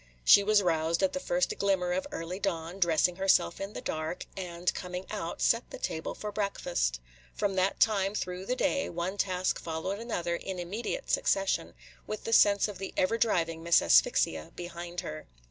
She was roused at the first glimmer of early dawn, dressing herself in the dark, and, coming out, set the table for breakfast. From that time through the day, one task followed another in immediate succession, with the sense of the ever driving Miss Asphyxia behind her.